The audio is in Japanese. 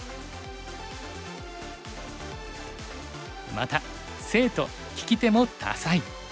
また生徒聞き手も多彩。